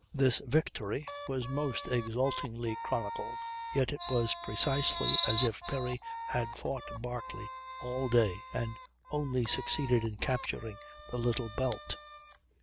This victory was most exultingly chronicled, yet it was precisely as if Perry had fought Barclay all day and only succeeded in capturing the Little Belt.